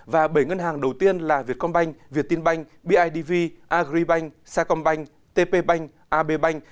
và bảy ngân hàng đầu tiên là việt công banh việt tin banh bidv agribank sacombank tpbank abbank